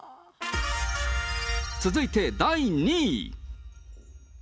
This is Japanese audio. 続いて第２位。